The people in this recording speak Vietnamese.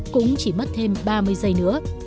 cũng chỉ mất thêm ba mươi giây nữa